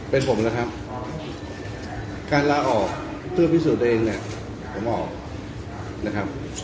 เป็นผมนะครับการลาออกเพื่อพิสูจน์ตัวเองเนี่ยผมออกนะครับ